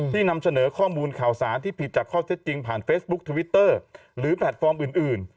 นำเสนอข้อมูลข่าวสารที่ผิดจากข้อเท็จจริงผ่านเฟซบุ๊คทวิตเตอร์หรือแพลตฟอร์มอื่น